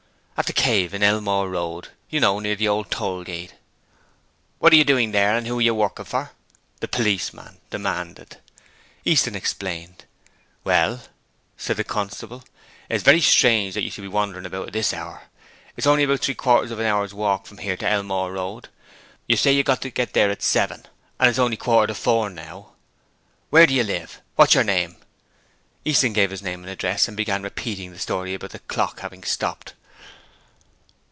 'At "The Cave" in Elmore Road. You know, near the old toll gate.' 'What are you doing there and who are you working for?' the policeman demanded. Easton explained. 'Well,' said the constable, 'it's very strange that you should be wandering about at this hour. It's only about three quarters of an hour's walk from here to Elmore Road. You say you've got to get there at seven, and it's only a quarter to four now. Where do you live? What's your name?' Easton gave his name and address and began repeating the story about the clock having stopped.